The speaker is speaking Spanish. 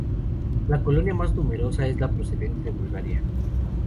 La colonia más numerosa es la procedente de Bulgaria.